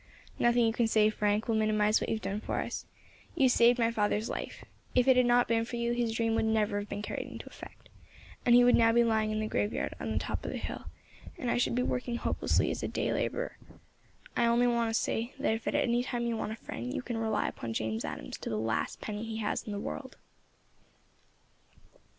"Nothing you can say, Frank, will minimise what you have done for us. You saved my father's life. If it had not been for you his dream would never have been carried into effect, and he would now be lying in the graveyard on the top of the hill, and I should be working hopelessly as a day labourer. I only want to say, that if at any time you want a friend, you can rely upon James Adams up to the last penny he has in the world."